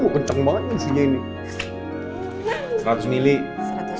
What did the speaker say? kenceng banget nih susunya ini